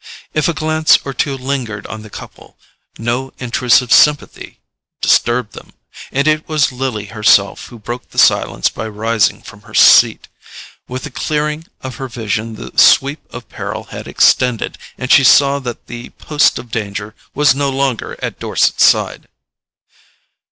If a glance or two lingered on the couple, no intrusive sympathy disturbed them; and it was Lily herself who broke the silence by rising from her seat. With the clearing of her vision the sweep of peril had extended, and she saw that the post of danger was no longer at Dorset's side.